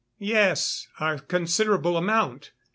_ Yes: a considerable amount.